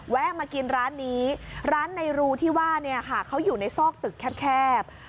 มากินร้านนี้ร้านในรูที่ว่าเนี่ยค่ะเขาอยู่ในซอกตึกแคบ